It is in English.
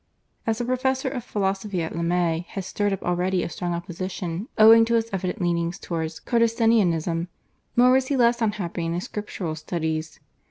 As a professor of philosophy Lamy had stirred up already a strong opposition owing to his evident leanings towards Cartesianism, nor was he less unhappy in his scriptural studies.